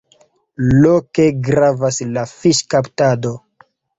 Loke gravas la fiŝkaptado.